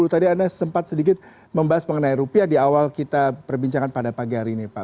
tadi anda sempat sedikit membahas mengenai rupiah di awal kita perbincangan pada pagi hari ini pak